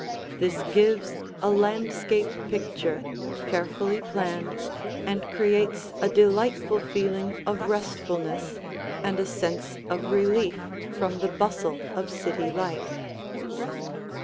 This gives a landscape picture carefully planned and creates a delightful feeling of restfulness and a sense of relief from the bustle of city life.